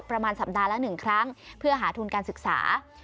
ประมาณสัปดาห์ละ๑ครั้งเพื่อหาทุนการศึกษา